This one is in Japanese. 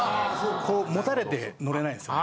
こうもたれて乗れないんですね。